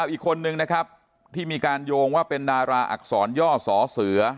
อีกคนนึงนะครับที่มีการโยงว่าเป็นดาราอักษรย่อสอเสือ